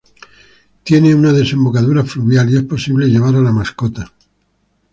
Tiene una desembocadura fluvial y es posible llevar a la mascota.